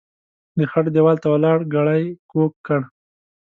د خړ ديوال ته ولاړ ګړی کوږ کړ.